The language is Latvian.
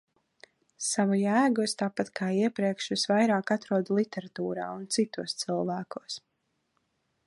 Savu jēgu es tāpat kā iepriekš visvairāk atrodu literatūrā un citos cilvēkos.